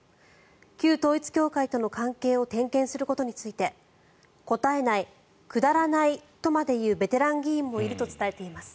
旧統一教会との関係を点検することについて答えないくだらないとまで言うベテラン議員もいると伝えています。